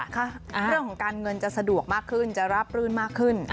เรื่องของการเงินจะสะดวกมากขึ้นจะราบรื่นมากขึ้น